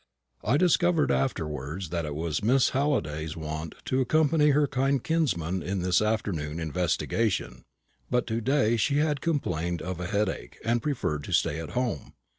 I discovered afterwards that it was Miss Halliday's wont to accompany her kind kinsman in this afternoon investigation; but to day she had complained of a headache and preferred to stay at home.